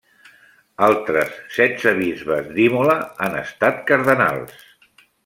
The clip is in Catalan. Altres setze bisbes d'Imola han estat cardenals.